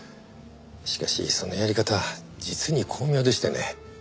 しかしそのやり方実に巧妙でしてね。